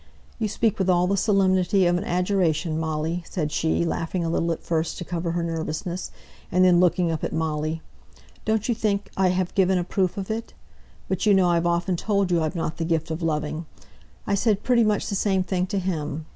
"You speak with all the solemnity of an adjuration, Molly!" said she, laughing a little at first to cover her nervousness, and then looking up at Molly. "Don't you think I've given a proof of it? But you know I've often told you I've not the gift of loving; I said pretty much the same thing to him.